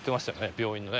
病院のね。